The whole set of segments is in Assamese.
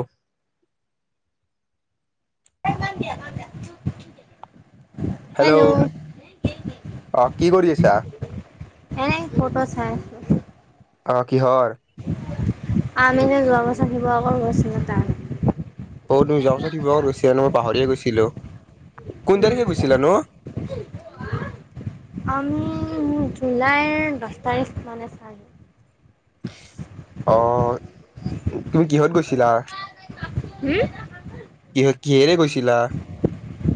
উ [unintelligible] হয়মান দিয় দে [unintelligible] হেল্ল' অ কি কৰি আছা এনে ফ'ট চাই অ কিহৰ আমিনো যোৱা বছৰ শিৱসাগৰ গৈছিলো তাৰ অ তুমি যোৱা বছৰ শিৱাগৰ গৈছ ন মই পাহৰিয়ে গৈছে লো কোন উম, তাৰিখে গৈছিলা ন আমি জুলাইৰ দহ তাৰিখ মানে ছাগে আহ তুমি কিহত গৈছিলা উম কিহেৰে গৈছিলি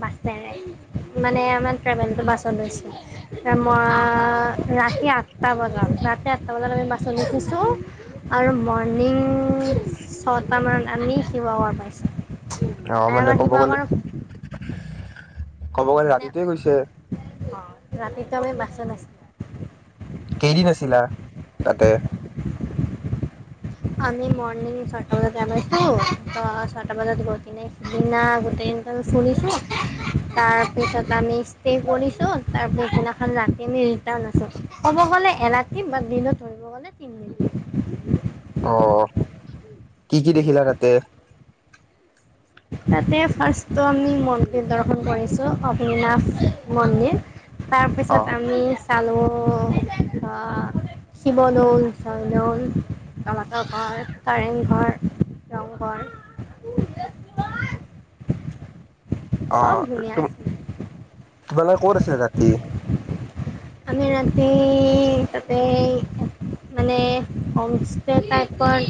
বাছেৰে মানে আমাৰ ট্ৰেভেল বাছতছো মই ৰাতি আঠটা বজাত ৰাতি আঠটা বজাত আমি বাছত উঠিছো আৰু মৰ্ণিং ছটা মানত আমি শিৱসাগৰ পাইছোঁ অ আৰু মানে আমাৰ ক'ব গ'লে লে শিৱসাগৰ ক'ব গ'লে মানে ৰাতিতে গৈছে অ' ৰাতিটো আমি বাছত নাছিলোঁ কেইদিন আছিলা তাতে আমি মৰ্ণিং ছয়টা বজাত যাইছো ছয়টা বজাত গৈ কিনে দিনা গোটেই দিন ফুৰিছো তাৰপিছত আমি ষ্টে কৰিছো তাৰ পিছদিনাখন ৰাতি আমি ৰিটাৰ্ণ আছো ক'ব গ'লে এৰাতি দিনত ধৰিব গলে তিনিদিন অ কি কি দেখিলা তাতে তাতে ফাৰ্ষ্টটো আমি মন্দিৰ দৰ্শন কৰিছো অগ্নাথ মন্দিৰ অ তাৰপিছত আমি তালু বা শিৱদৌল জয়দৌল তমাটৰ ঘৰ কাৰেংঘৰ ৰংঘৰ [unintelligible] অ চব ধুনীয়া তুম আছিল তোমাল কত আছিল ৰাতি আমি ৰাতি তাতে মানে হোম ষ্টে টাইপৰ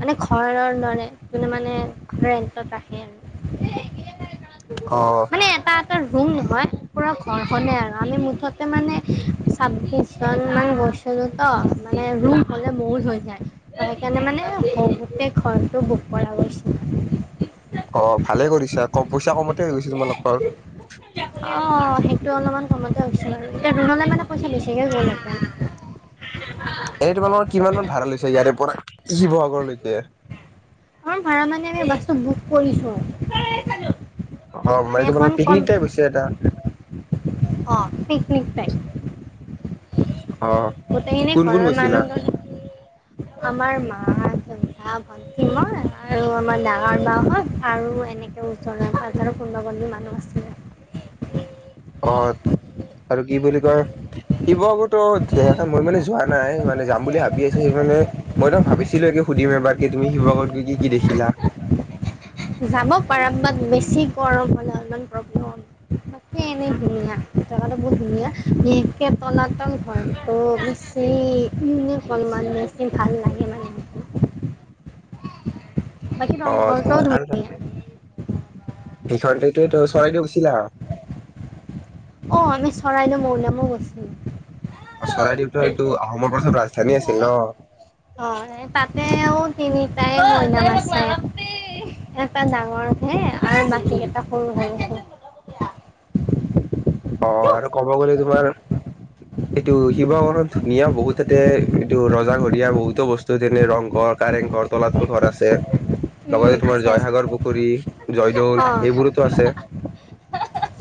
মানে ঘৰৰ দৰে মানে ৰন্টৰ সম অ ৰুম হয় পুৰা ঘৰখনেই আৰু আমি মুঠতে মানে ছাব্বিছজনমান গৈছিলো তো মানে ৰুম হ'লে মৌল হৈ যায় ত সেইকাৰণে মানে সহতে ঘৰটো বুক কৰা গৈছিল অ ভালে কৰিছা কম পইচা, কমতে হৈ গৈছে তোমালোকৰ। টো অলপমান কমতে হৈছিল আৰু। এতিয়া ডুনলে মানে কৈছে বেছিকে লল হেতেন। এনে তোমালোকৰ কিমান মান ভাড়া লৈছে ইয়াৰে পৰা শিৱসাগৰলৈকে? আৰু ভাড়া মানে আমি বাছটো বুক কৰিছো আৰু। অ মানে তোমালোকৰ পিকনিক টাইপ হৈছে এটা। টাই অ গোটেইখিনি কোন কোন ঘৰৰ গৈছিলা মানুহ ন। আমাৰ ম মা, পাপা, ভন মই আৰু আমাৰ ডাঙৰ বাহঁত আৰু এনেকৈ ওচৰৰ পাজৰৰ কোনোবা কোনবা মানুহ আছিলে। অ আৰু কি বুলি কয় শিৱসাগৰতো তেনেকে মই মানে যোৱা নাই মানে যাম বুলি ভাবি আছো সেই মানে মই তাক ভাবিছিলো একে সুধিম এবাৰ, কি তুমি শিৱসাগৰত গৈ কি কি দেখিলা? যাব পাৰা বাট বেছি গৰম হ'লে অলমান প্ৰব্লেম হব। তাকে এনেই ধুনীয়া। জাগাটো বহুত ধুনীয়া। বিশেষ তলাতল ঘৰটো বেছি ইউনিক হ'ল মানে বেছি ভাল লাগে মানে। বাকী ৰংঘৰটোও ধুনীয়া। সিখনতে তে টো। চৰাইদেউ গৈছিলা? অ, আমি চৰাইদেউ মৈদাম ও গৈছিলোঁ। অ, চৰাইদেউত এইটো আহোমৰ প্ৰধান ৰাজধানী আছিল অ', ন? এই তাতেও তিনিটাই নাম আছে। এটা ডাঙৰ হে আৰু বাকীকেইটা সৰু হৈ আছে। অ আৰু ক'ব গ'লে তোমাৰ এইটো শিৱসাগৰত ধুনীয়া বহুত। তাতে এইটো ৰজাঘৰীয়া বহুতো বস্তু যেনে ৰংঘৰ, কাৰেংঘৰ, তলাতল ঘৰ আছে। উম, লগতে তোমাৰ আছে আছে। জয়সাগৰ পুখুৰী, জয়দৌল অ', এইবোৰোতো আছে।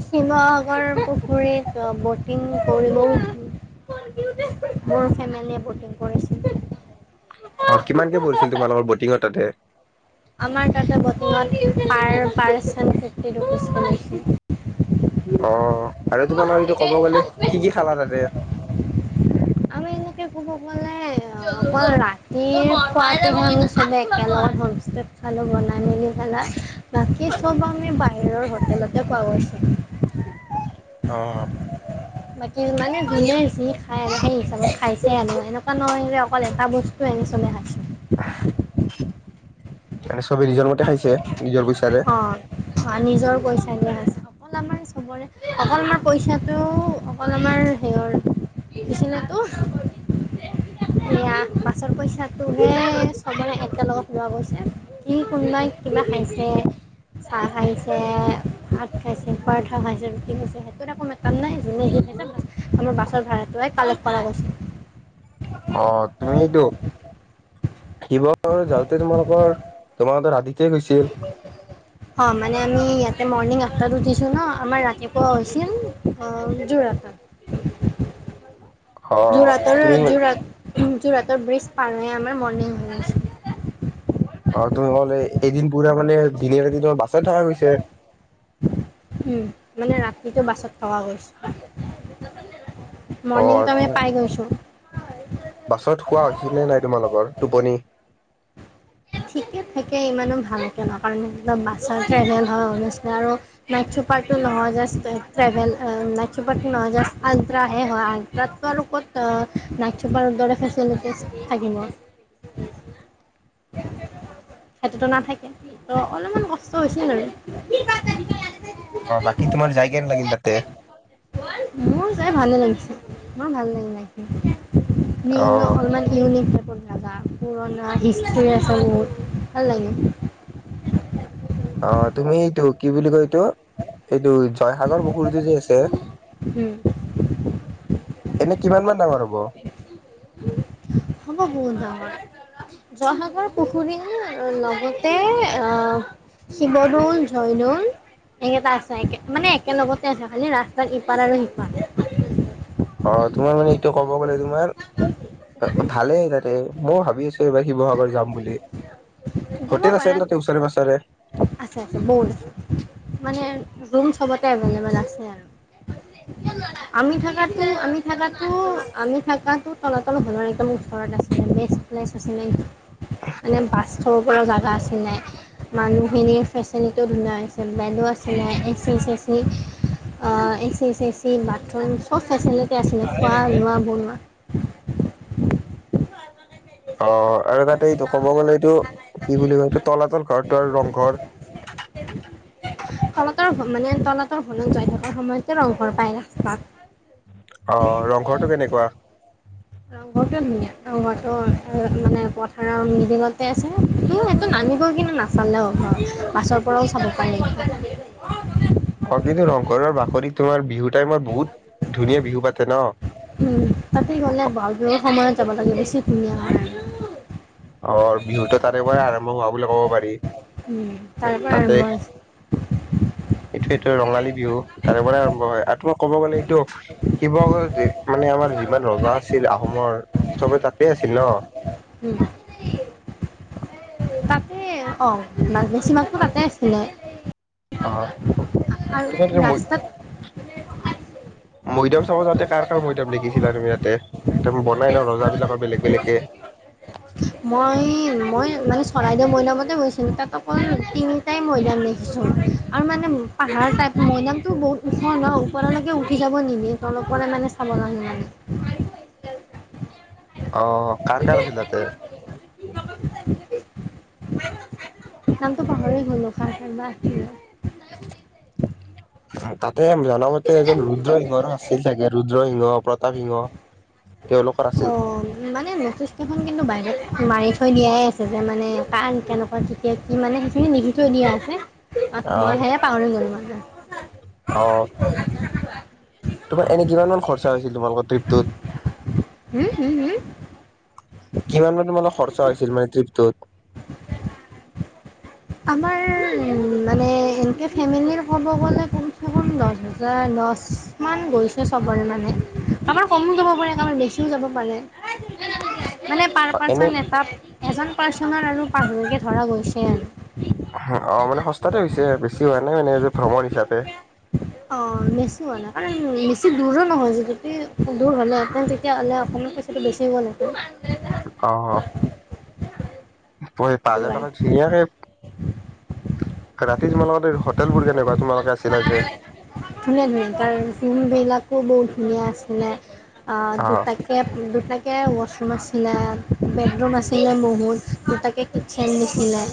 শিৱসাগৰ পুখুৰীত ব'টিং কৰিবও, মোৰ ফেমিলিয়ে ব'টিং কৰিছিল। অ, কিমানকে পৰিছিল তোমালোকৰ বটিঙৰ তাতে? আমাৰ তাতে বৰ্তমান পাৰ পাৰ্চন ফিফটি ৰুপিছ কে লৈছিল। অ। আৰু তোমালোকৰ এইটো ক'ব গ'লে কি কি খালা তাতে? আমি এনেকে ক'ব গ'লে অকল ৰাতিৰ খোৱাটো মানে চবেই একেলগত হোম ষ্টেট খালো বনাই মেলি পেলাই। বাকী চব আমি বাহিৰৰ হোটেলতে খোৱা গৈছে। অ বাকী মানে ধুনীয়া হৈছি খাই আৰু হেই চবে খাইছে আৰু, এনেকুৱা নহয় যে কেৱল এটা বস্তুয়ে আমি চবে খাইছোঁ। [inaudible] মানে চবে নিজৰ মতে খাইছে? নিজৰ পইচাৰে অ, অ। নিজৰ পইচা এনেকোৱা হৈছে, অকমান চবৰে অকল আমাৰ পইচাটো অকল আমাৰ হেইয়ৰ বিচনাটো, হেইয়া পাছৰ পইচাটোহে চবৰে একেলগত লোৱা গৈছে। কি কোনবাই কিবা খাইছে চাহ খাইছে, ভাত খাইছে, পৰঠা খাইছে, ৰুটি খাইছে, সেইটো আকৌ মেটাৰ নাই, যোনে যি খাইছে। আমাৰ বাছৰ ভাড়াটোৱে কালেক্ট কৰা হৈছে। অ, তুমি এইটোক থাকিব ঘৰ যাওঁতে তোমালোকৰ, তোমালোকৰ ৰাতি অ, মানে আমি ইয়াতে মৰ্ণিং আহ তাত উঠিছো ন আমাৰ ৰাতিপুৱা হৈছিল যোৰহাটত। অ যোৰহাটৰ তুমি যোৰহাটত। ওম যোৰহটত ব্ৰিজ পাৰ হৈ আমাৰ মৰ্ণিং হৈ আছিল। অ যোৰহাটত এদিন পুৰা মানে দিনে ৰাতি তোমাৰ বাছত থকা গৈছে। ওম মানে ৰাতিটো বাছত থকা গৈছো। অ মৰ্ণিং টাইমে তুমি পাই গৈছো। হয়। বাছত শুৱা হৈছিলে নাই। তোমালোকৰ টোপনি। ঠিকে থাকে ইমানো ভালকে নাই কাৰণ বাছৰ ট্ৰেভেলৰ নিছিনা আৰু। নাইট চুপাৰটো নহয় জাষ্ট। ট্ৰেভেল হয় নাইট চুপাৰপ নহয়। জাষ্ট আলট্ৰা হে হয়। আলট্ৰাত নাইট চুপাৰ দৰে ফেচিলিটিছ থাকিব। সেইটোত নাথাকে ত অলপমান কষ্ট হৈছে আৰু। অ বাকি তোমাৰ যাই কেনেকা লাগিল তাতে। মোৰ যাই ভালে লাগিছে মোৰ ভাল লাগিল জাইকিনে। অ মোৰ অলমান ইউনিক টাইপ ৰ। যাবা পুৰণ আহিছে। ল'ৰা-ছোৱালীবোৰ ভাল লাগে। অঁ তুমি এইটো কি বুলি কৈ। ত এইটো য'ত। জয়সাগৰ পুখুৰীটো যে আছে। এনে কিমান মান ডাঙৰ হ'ব। হ'ব। হ'ব বহত ডাঙৰ। জয়সাগৰ পুখুৰীৰ লগতে অঁ শিৱদৌল, জয়দৌল একেইটা আছে মানে একে লগতে আছে। খালি ৰাস্তাত ইপাৰ আৰু সিপাৰ। অঁ তোমাৰ মানে এইটো ক'ব। ক'ব গ'লে তোমাৰ অঁ ভালেই তাতে। মইওঁ ভাবি আছোঁ। এইবাৰ শিৱসাগৰ যাম বুলি যাব হোটেল পাৰা। আছেনে তাতে ওচৰে পাছৰে। আছে আছে বহুত আছে মানে ৰুম চবতে এভেল এবেল আছে আৰু আমি থাকা আমি থো আমি থাকো তলাতল ঘৰ একদম ওচৰত আছিল বে। নে মানে বাচ সৰু পৰা জেগা আছিলে মানুহখিনিৰ ফেচিলিটিও ধুনীয়া হৈছে বেডো আছিলে এ চি চে চি এ চি চে চি বাথৰুম চব ফেচিলিটি। তে আছিলে খোৱা লোৱা বনোৱা অ আৰু তা এইটো ক'ব গলে এইটো কি বুলি কয় এইটো তলাতল ঘৰটো আৰু ৰংঘৰ। তলাতল ঘৰ মানে তলাতৰ ঘৰত জাই থকাৰ সময়ত ৰংঘৰ পাই ৰাস্তাত। অহ ৰংঘৰটো কেনেকুৱা। ৰংঘৰটো ধুনীয়া ৰংঘৰটো এ মানে পথাৰৰ মিদিনতে আছে ত সেটো নামিবই কিন্তু নাচালেও ঘৰ পাছৰ পৰাও চাব পাৰি। অ কিন্তু ৰংঘৰৰ বাকৰিত তোমাৰ বিহু। টাইমত বহুত ধুনীয়া বিহু পাতে ন উম তাকে গ'লে ব'হাগ বিহু সময়ত যাব লাগে। কি ধুনীয়া হয়। অ বিহুতটো। তাৰে পৰাই আৰম্ভ হোৱা বুলি ক'ব পাৰি তাৰপৰা তাতে আৰম্ভ হৈছে এইটো সেটো ৰঙালী বিহু তাৰে পৰা আৰম্ভ হয় আৰু ত। ক'ব গ'লে এইটো শিৱসাগৰ মানে আমাৰ যিমান ৰজা আছিল আহোমৰ চবে তাতে আছিল ন। অ মাজ বেছি মানুহ তাতে আছিলে। অ আৰু তোমাৰ ৰাস্তাত মৈদাম চাব যাতে কাৰ কাৰ মৈদাম দেখিছিলা তুমি তা? বনাই ন ৰজা বিলাকৰ বেলেগ বেলেগ কে মই মই মানে চৰাইদেউ মৈদামতে গৈছিলোঁ তাত অকল তিনিটাই মৈদাম দেখিছোঁ আৰু মানে পাহাৰৰ টাইপ মৈদামতটো বহুত ওখ ন ওপৰলৈকে উঠি যাব নিবি তলৰ পৰা মানে চাব কাৰণে লগে মানে অ কাৰ কাৰ আছিল তাতে উ নামতো পাহৰিয়েই গ'লো কাৰ কাৰ বা আছিলে। তাতে আমি জ নামতে এজন ৰুদ্ৰসিংহৰো আছিল চাগে ৰুদ্ৰসিংহ প্ৰতাপ সিংহ তেওঁলোকৰ আছিল। অ মানে নেথিষ্টখন কিন্তু বাহিৰত মাৰি থৈ দিয়াই আছে যে মানে কাৰ কেনেকুৱা তেতিয়া কি মানে সেইখিনি লিখি থৈ দিয়া আছে। অ মই সেয়ে পাহৰি গলোঁ মান যে উ অ [unintelligible] তোমাৰ এনে কিমান মমান খৰচা হৈছিল তোমালোকৰ ট্ৰিপটোত উম হম হম কিমান মান তোমালোকৰ খৰচা হৈছিল মানে ট্ৰিপটোত। আমাৰ। উম মানে এক। ফেমিলিৰ ক'ব গ'লে কমচে কম দহ হাজাৰ দহ মান গৈছে চবৰে মানে কাৰোবাৰ কমো যাব পাৰে কাৰোবাৰ বেছিও যাব পাৰে। মানে পাৰ এনে পাৰ্চন এটা এজন পাৰ্চনৰ আৰু। পাহৰিকে ধৰা গৈছে। অ মানে সস্তাতে হৈছে বেছি হোৱা নাই মানে যে ভ্ৰমণ হিচাপে। অ নেচো ম নাই কাৰণ বেছি দূৰো নহয় য যদি। দূৰ হ'লে এ তেতিয়া অ। ক পছটো বেছি হ'ল ন। আহ। প পাঁচ সেইটো হাজাৰ কাৰণে টকান। ৰাতি তোমালোকৰ হোটেল বোৰ কেনেকুৱা তোমালোকে আছিলা যে। ধুনীয়া ধুনীয়া ত ফ্মবিলাকো বহুত ধুনীয়া আছিলে। অ দুটাকে দুটাকে। ৱাশৰুম আছিলে বেডৰুম আছিলে বহুত দুটাকে কিটচেন দিছিলে।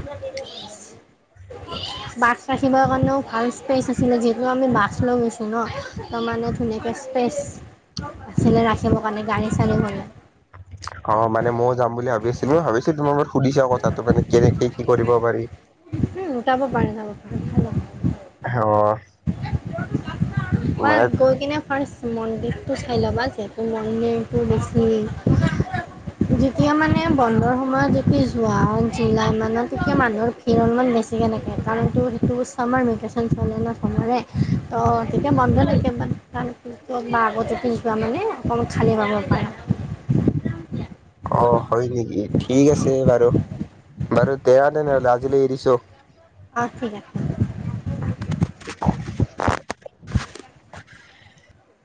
বাছ ৰাখিবৰ কাৰণেও। ভাল স্পেচ আছিলে যিহেতু আমি বাছ লৈ গৈছোঁ ন তাৰমানে ধুনীয়াকৈ স্পেচ। আছিলে ৰা। চবৰ কাৰণে গানী চালো কৰি'। অ মানে ময়ও যাম বুলি ভাবি আছিলো ভাবিছো তোমাৰ লগত। সুধিছা কথাটো মানে কেনেকে কি কৰিব পাৰি। উম যাব পাৰে যাব পাৰে। আহ হয় মই গৈ কেনে ফাৰ্ষ্ট। মন্দিৰটো চাই ল'বা যিহেতু মন্দিৰটো বেছি যেতিয়া মানে বন্ধৰ সময়ত যেতিয়া যোৱা জুলাই মানত তেতিয়া মানুহৰ। কিৰণমান বেছিকৈ নাকে কাৰণটো টো বস্চ আমাৰ ভেকেশ্যন চলে না চমৰে ত' তেতিয়া মনধ থে বা আগতুপি যোৱা মানে অকণমান খালী পাব পাৰে। অ হয় নেকি ঠিক আছে বাৰু। বাৰু তেয়া ন নহ'লে আজিলৈ এৰিছো। অ ঠিক আ।